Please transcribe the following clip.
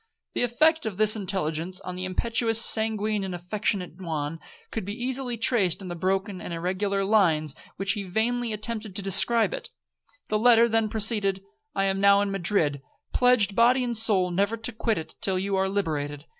The effect of this intelligence on the impetuous, sanguine, and affectionate Juan, could be easily traced in the broken and irregular lines in which he vainly attempted to describe it. The letter then proceeded. 'I am now in Madrid, pledged body and soul never to quit it till you are liberated.